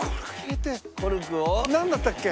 なんだったっけ？